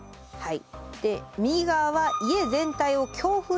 はい。